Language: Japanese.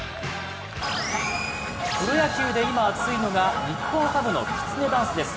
プロ野球で今熱いのが日本ハムのきつねダンスです。